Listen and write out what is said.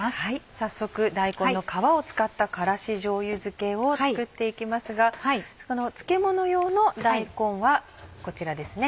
早速大根の皮を使った辛子じょうゆ漬けを作っていきますが漬物用の大根はこちらですね。